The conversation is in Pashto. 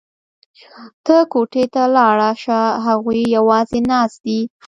ته کوټې ته لاړه شه هغوی یوازې ناست دي